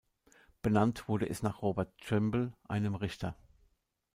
Benannt wurde es nach Robert Trimble, einem Richter.